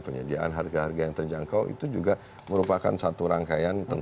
penyediaan harga harga yang terjangkau itu juga merupakan sesuatu yang sangat penting